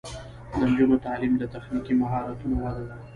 د نجونو تعلیم د تخنیکي مهارتونو وده ده.